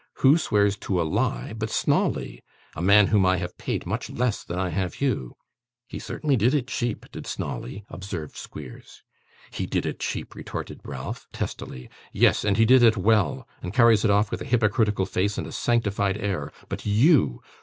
Who swears to a lie but Snawley; a man whom I have paid much less than I have you?' 'He certainly did it cheap, did Snawley,' observed Squeers. 'He did it cheap!' retorted Ralph, testily; 'yes, and he did it well, and carries it off with a hypocritical face and a sanctified air, but you!